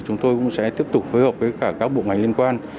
chúng tôi cũng sẽ tiếp tục phối hợp với cả các bộ ngành liên quan